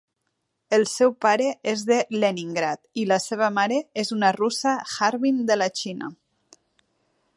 El seu pare és de Leningrad i la seva mare és una russa Harbin de la Xina.